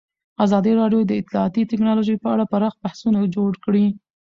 ازادي راډیو د اطلاعاتی تکنالوژي په اړه پراخ بحثونه جوړ کړي.